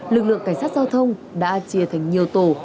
lực lượng cảnh sát giao thông đã chia thành nhiều tổ